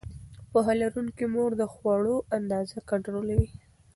پوهه لرونکې مور د خوړو اندازه کنټرولوي.